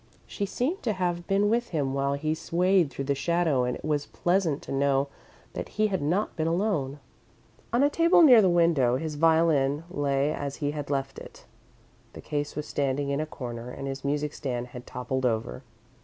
She seemed to have been with him while he swayed through the shadow and it was pleasant to know that he had not been alone. On the table near the window, his violin lay as he had left it. The case was standing in a corner and his music stand had toppled over.